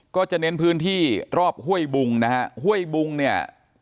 ก็จะเน้นพื้นที่รอบห้วยบุงนะฮะห้วยบุงเนี่ย